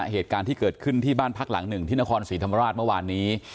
เหตุการณ์ที่เกิดขึ้นที่บ้านพักหลังหนึ่งที่นครศรีธรรมราชเมื่อวานนี้